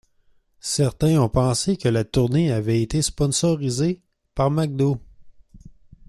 Certains ont pensé que la tournée avait été sponsorisée par McDo.